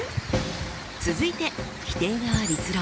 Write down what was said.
続いて否定側立論。